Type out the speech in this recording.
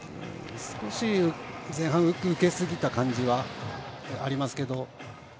少し前半、抜けすぎた感じはありますけど。